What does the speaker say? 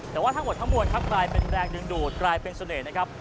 แต่ว่าทั้งหมดทั้งมวลครับกลายเป็นแรงดึงดูดกลายเป็นเสน่ห์นะครับ